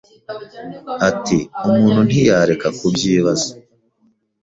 Ati: "Umuntu ntiyareka kubyibaza